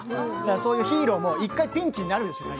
ヒーローも１回ピンチになるんですよ。